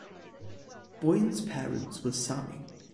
Boine's parents were Sami.